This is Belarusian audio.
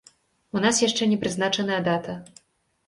У нас яшчэ не прызначаная дата.